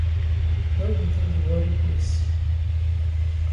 No begin di worry place.